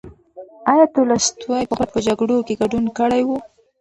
ایا تولستوی پخپله په جګړو کې ګډون کړی و؟